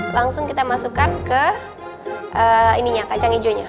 langsung kita masukkan ke ini ya kacang hijaunya